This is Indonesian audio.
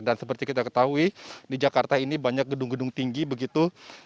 dan seperti kita ketahui di jakarta ini banyak gedung gedung tinggi begitu